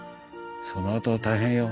そのあとは大変よ。